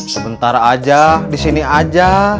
sebentar aja disini aja